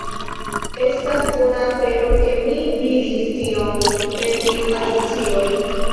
"Estas bona afero ke mi vidis tion," pensis Alicio.